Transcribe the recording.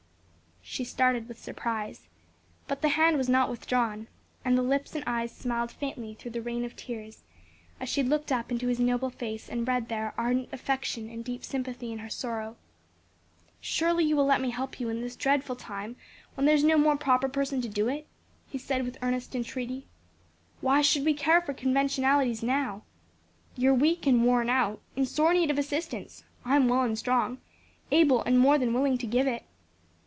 She started with surprise, but the hand was not withdrawn, and the lips and eyes smiled faintly through the rain of tears as she looked up into his noble face and read there ardent affection and deep sympathy in her sorrow. "Surely you will let me help you in this dreadful time when there's no more proper person to do it?" he said with earnest entreaty. "Why should we care for conventionalities now? You are weak and worn out, in sore need of assistance; I am well and strong, able and more than willing to give it.